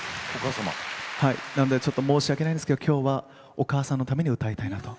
なのでちょっと申し訳ないんですけどきょうはお母さんのために歌いたいなと。